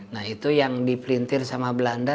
nah itu yang dipelintir sama belanda